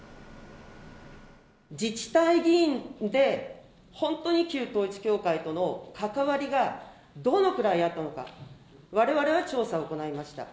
自治体議員で、本当に旧統一教会との関わりがどのくらいあったのか、われわれは調査を行いました。